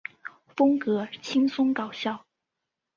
风格轻松搞笑。